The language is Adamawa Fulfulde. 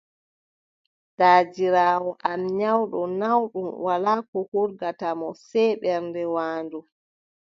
Daadiraawo am nyawɗo naawɗum, wolaa ko hurgata mo sey ɓernde waandu.